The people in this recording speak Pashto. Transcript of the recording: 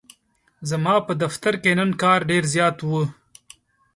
ځماپه دفترکی نن کار ډیرزیات و.